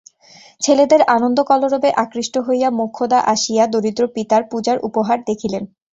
ছেলেদের আনন্দকলরবে আকৃষ্ট হইয়া মোক্ষদা আসিয়া দরিদ্র পিতার পূজার উপহার দেখিলেন।